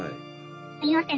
すみません。